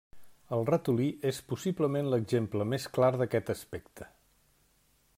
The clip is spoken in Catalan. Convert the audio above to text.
El ratolí és possiblement l'exemple més clar d'aquest aspecte.